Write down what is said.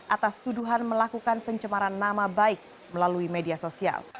atas tuduhan melakukan pencemaran nama baik melalui media sosial